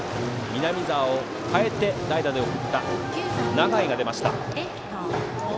南澤を代えて、代打で送った永井が出ました。